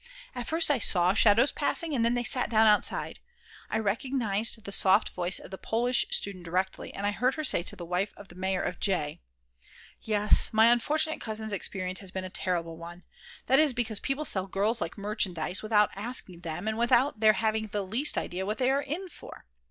At first I saw shadows passing, and then they sat down outside. I recognised the soft voice of the Polish student directly, and I heard her say to the wife of the mayor of J.: "Yes, my unfortunate cousin's experience has been a terrible one; that is because people sell girls like merchandise, without asking them, and without their having the least idea what they are in for."